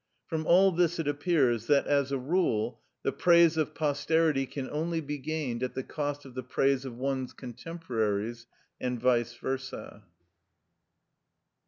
From all this it appears that, as a rule, the praise of posterity can only be gained at the cost of the praise of one's contemporaries, and vice versa.